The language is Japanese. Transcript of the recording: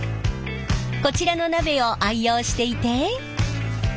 こちらの鍋を愛用していて。